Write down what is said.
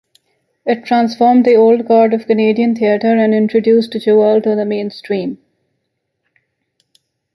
It transformed the old guard of Canadian theatre and introduced joual to the mainstream.